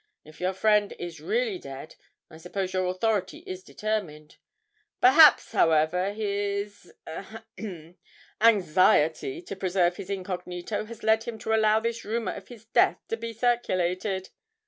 If your friend is really dead, I suppose your authority is determined. Perhaps, however, his ahem anxiety to preserve his incognito has led him to allow this rumour of his death to be circulated?'